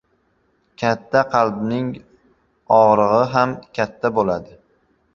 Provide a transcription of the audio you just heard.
• Katta qalbning og‘rig‘i ham katta bo‘ladi.